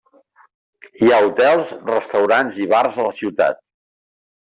Hi ha hotels, restaurants i bars a la ciutat.